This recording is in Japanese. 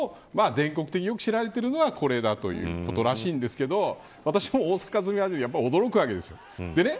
そのうちの全国的によく知られているのがこれだということらしいんですけど私も大阪住みなのでやっぱり驚くわけです。